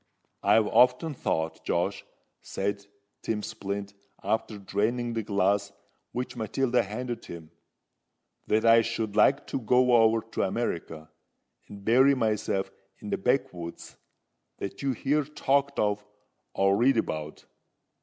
"I've often thought, Josh," said Tim Splint, after draining the glass which Matilda handed him, "that I should like to go over to America, and bury myself in the backwoods that you hear talked of or read about.